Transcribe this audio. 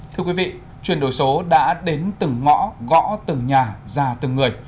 thưa quý vị chuyển đổi số đã đến từng ngõ gõ từng nhà ra từng người